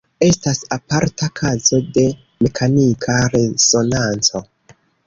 Estas aparta kazo de mekanika resonanco.